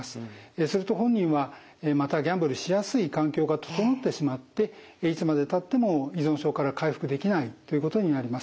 すると本人はまたギャンブルしやすい環境が整ってしまっていつまでたっても依存症から回復できないということになります。